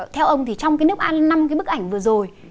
theo ông thì trong cái nước năm cái bức ảnh vừa rồi